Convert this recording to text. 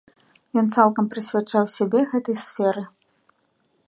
Ён цалкам прысвячаў сябе гэтай сферы.